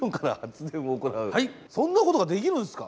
そんなことができるんすか！？